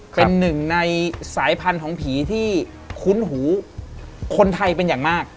เป็นหนึ่งในสายพันธุ์ของผีที่คุ้นหูคนไทยเป็นอย่างมาก